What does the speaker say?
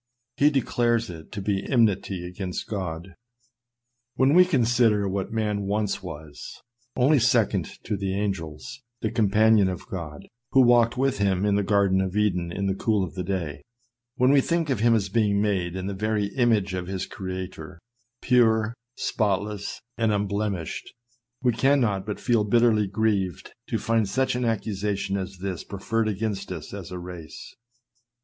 He declares it to be enmity against God. When we consider what man once was, only second to the angels, the compan ion of God, who walked with him in the garden of Eden in the cool of the day ; when we think of him as being made in the very image of his Creator, pure, spotless, and unblemished, we cannot but feel bitterly grieved to find such an accusation as this preferred against us as a race.